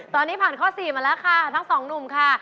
ตอนนี้ผ่านข้อ๔มาแล้วค่ะทั้งสองหนุ่มค่ะ